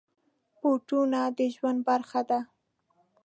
بوټونه د ژوند برخه ده.